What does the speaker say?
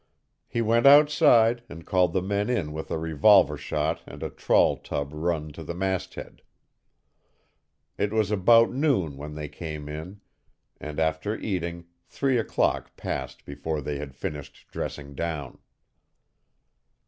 He went outside and called the men in with a revolver shot and a trawl tub run to the masthead. It was about noon when they came in, and, after eating, three o'clock passed before they had finished dressing down.